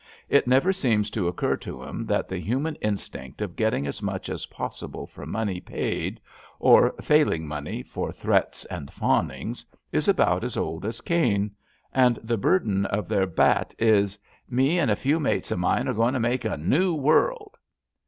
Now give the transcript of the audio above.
It never seems to occur to 'em that the human instinct of getting as much as possible for money paid, or, failing money, for threats and fawnings, is about as old as Cain; and the burden of their bat is :Me an' a few mates o' mine are going to make a new world.''